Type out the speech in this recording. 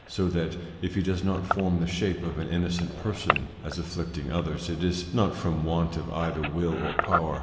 So that if he does not form the Shape of an innocent Person as afflicting others, it is not from want of either will or power.